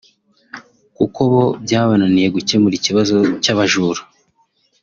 kuko bo byabananiye gucyemura icyibazo cy’abajura